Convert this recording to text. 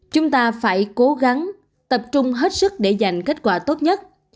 chúng ta phải cố gắng tập trung hết sức để giành kết quả tốt nhất